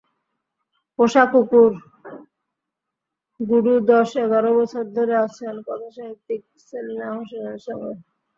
পোষা কুকুর গুডু দশ-এগারো বছর ধরে আছেন কথাসাহিত্যিক সেলিনা হোসেনের সঙ্গে।